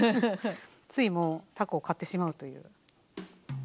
ついもうたこを買ってしまうという。